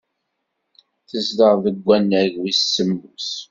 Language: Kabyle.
Tezdeɣ deg wannag wis semmus.